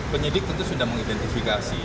penyidik tentu sudah mengidentifikasi